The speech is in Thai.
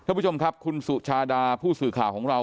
ท่านผู้ชมครับคุณสุชาดาผู้สื่อข่าวของเรา